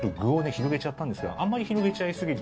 広げちゃったんですがあんまり広げちゃいすぎると。